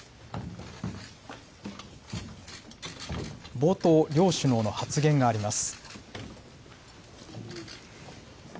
冒頭、両首脳の発言があります。